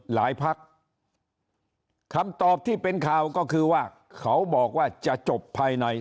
พักคำตอบที่เป็นข่าวก็คือว่าเขาบอกว่าจะจบภายใน